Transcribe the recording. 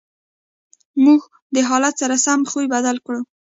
موږ د حالت سره سم خوی بدل کړو.